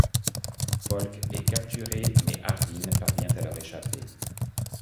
Polk est capturé mais Hardin parvient à leur échapper.